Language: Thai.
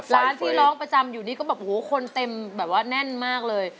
ร้านที่ร้องประจำอยู่นี่ก็แบบโอ้โหคนเต็มแบบว่าแน่นมากเลย